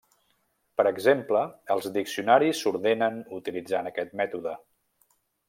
Per exemple, els diccionaris s'ordenen utilitzant aquest mètode.